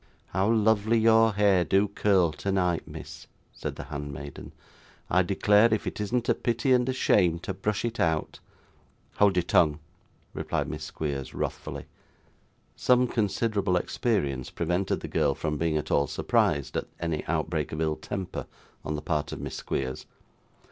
'How lovely your hair do curl tonight, miss!' said the handmaiden. 'I declare if it isn't a pity and a shame to brush it out!' 'Hold your tongue!' replied Miss Squeers wrathfully. Some considerable experience prevented the girl from being at all surprised at any outbreak of ill temper on the part of Miss Squeers.